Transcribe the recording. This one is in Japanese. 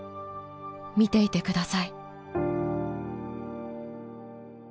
見ていてください」。